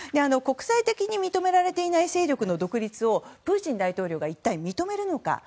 国際的に認められていない勢力の独立をプーチン大統領が認めるのか。